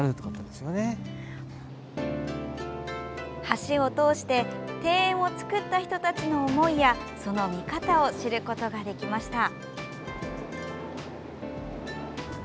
橋を通して庭園を造った人たちの思いやその見方を知ることができました。